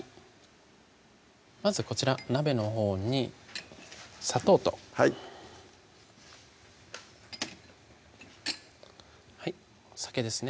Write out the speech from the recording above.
まずこちら鍋のほうに砂糖とはい酒ですね